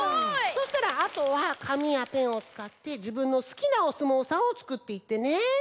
そうしたらあとはかみやペンをつかってじぶんのすきなおすもうさんをつくっていってね！